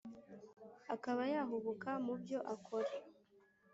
akaba yahubuka mu byo akora